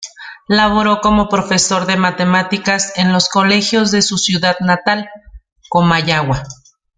Laboró como profesor de matemáticas en los colegios de su ciudad natal, Comayagua.